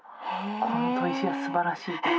この砥石はすばらしいとか」。